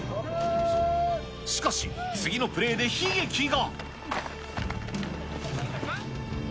しかし、次のプレーで悲劇が。